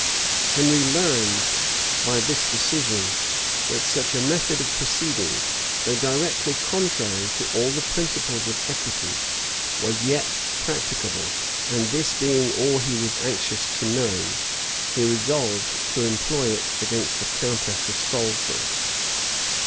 Henry learned by this decision, that such a method of proceeding, though directly contrary to all the principles of equity, was yet practicable; and this being all he was anxious to know, he resolved to employ it against the countess of Salisbury.